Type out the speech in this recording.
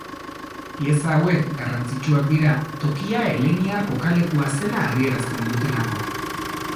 Pieza hauek garrantzitsuak dira tokia heleniar kokalekua zela adierazten dutelako.